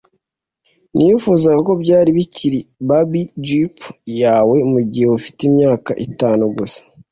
nifuzaga ko byari bikiri barbie jeep yawe mugihe ufite imyaka itanu gusa.